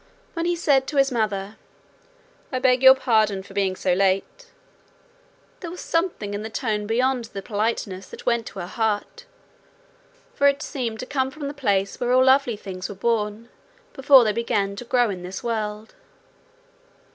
When he said to his mother, 'I beg your pardon for being so late,' there was something in the tone beyond the politeness that went to her heart, for it seemed to come from the place where all lovely things were born before they began to grow in this world.